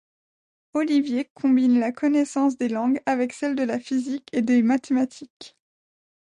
Olivier combine la connaissance des langues avec celle de la physique et des mathématiques.